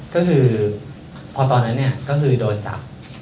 ก็คือพอตอนนั้นเนี่ยก็คือโดนจับ